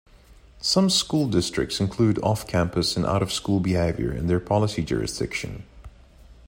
Some school districts include off-campus and out-of-school behavior in their policy's jurisdiction.